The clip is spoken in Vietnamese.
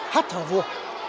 hát thở vua